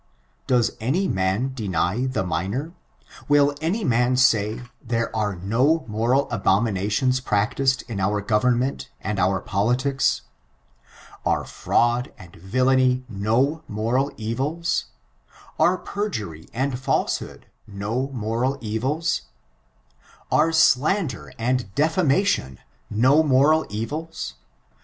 Does any man deny the minor} 'Will any roan say, there are no moral abominations practiced in our government and our politics ? Are fraud and villainy no moral evils % Are peijury and falsehood no moral evils } Are slander and de&mation no moral evils